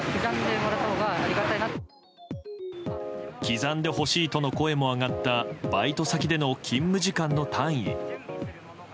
刻んでほしいとの声も上がったバイト先での勤務時間の単位。